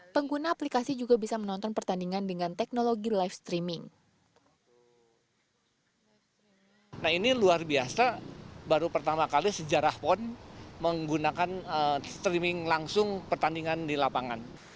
pengguna aplikasi juga bisa menonton pertandingan dengan teknologi live streaming